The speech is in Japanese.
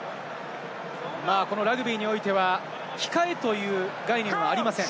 ラグビーにおいては控えという概念はありません。